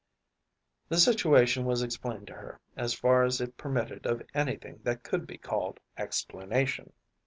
‚ÄĚ The situation was explained to her, as far as it permitted of anything that could be called explanation.